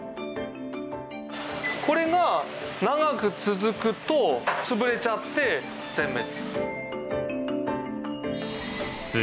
これが長く続くと潰れちゃって全滅。